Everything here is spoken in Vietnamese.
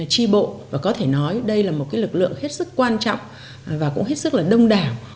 chi bộ và có thể nói đây là một lực lượng hết sức quan trọng và cũng hết sức đông đảng